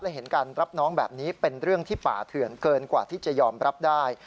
และเห็นการรับน้องแบบนี้เป็นเรื่องที่ป่าเถื่อนเกินกว่าที่จะยอมรับได้